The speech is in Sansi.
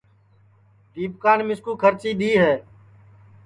دیپکان مِسکُو کھرچی دؔی ہے